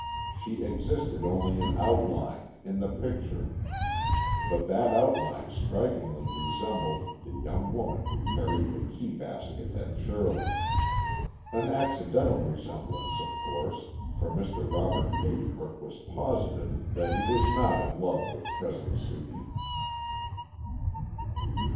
She existed only in outline, in the picture, but that outline strikingly resembled the young woman who carried the key basket at Shirley an accidental resemblance, of course, for Mr. Robert Pagebrook was positive that he was not in love with Cousin Sudie.